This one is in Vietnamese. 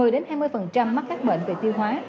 một mươi hai mươi mắc các bệnh về tiêu hóa